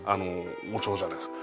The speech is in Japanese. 王朝じゃないですか